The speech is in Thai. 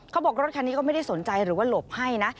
เขาบอกว่ารถคันนี้ก็ไม่ได้สนใจหรือว่าหลบให้นะ